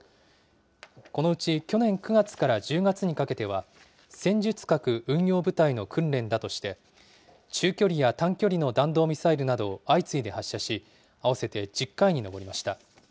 このうち去年９月から１０月にかけては、戦術核運用部隊の訓練だとして、中距離や短距離の弾道ミサイルなどを相次いで発射し、合わせて１０回に上りました。